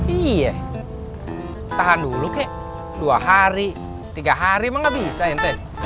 iya tahan dulu kek dua hari tiga hari emang gak bisa ente